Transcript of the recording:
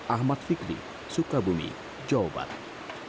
ahmad fikri sukabumi jawa barat